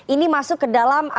ini masuk ke dalam